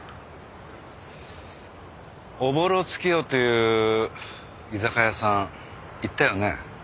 おぼろ月夜っていう居酒屋さん行ったよね？